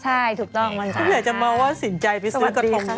ใช่ถูกต้องมันค่ะสวัสดีค่ะสวัสดีค่ะอยากจะมาว่าสินใจไปซื้อกระทง